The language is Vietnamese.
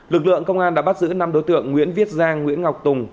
lực lượng công an đã bắt giữ năm đối tượng nguyễn viết giang nguyễn ngọc tùng